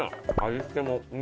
味付けも。